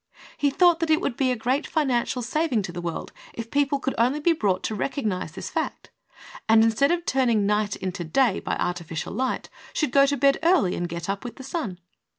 He thought that it would be a great financial saving to the world if people could only be brought to recognize this fact, and instead of turning night into day by artificial light, should go to bed early and get up with the sun.